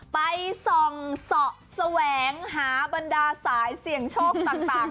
ไปส่องเสาะแสวงหาบรรดาสายเสี่ยงโชคต่าง